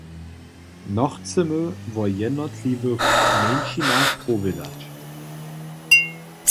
Nochcemy wo jednotliwych mjeńšinach powědać.